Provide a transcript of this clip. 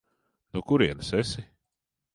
No kurienes esi?